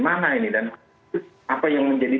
mana ini dan apa yang menjadi